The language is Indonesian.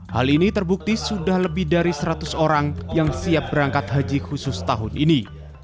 hal ini terbukti sudah lebih dari seratus orang yang siap berangkat haji khusus tahun ini